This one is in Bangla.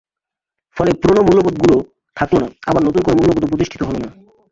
ফলে পুরোনো মূল্যবোধগুলো থাকল না, আবার নতুন কোনো মূল্যবোধও প্রতিষ্ঠিত হলো না।